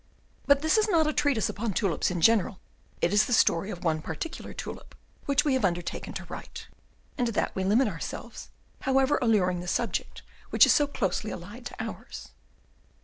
But this is not a treatise upon tulips in general; it is the story of one particular tulip which we have undertaken to write, and to that we limit ourselves, however alluring the subject which is so closely allied to ours.